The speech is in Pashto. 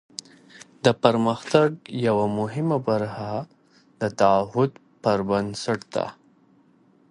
د پرمختګ یوه مهمه برخه د تعهد پر بنسټ ده.